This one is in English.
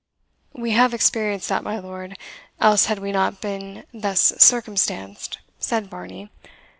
"We have experienced that, my lord, else had we not been thus circumstanced," said Varney.